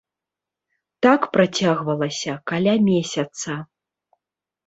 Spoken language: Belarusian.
Так працягвалася каля месяца.